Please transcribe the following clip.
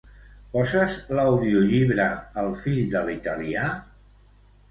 Poses l'audiollibre "El fill de l'italià"?